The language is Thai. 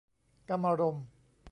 กามารมณ์